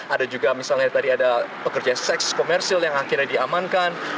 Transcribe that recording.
ada juga misalnya tadi ada pekerja seks komersil yang akhirnya diamankan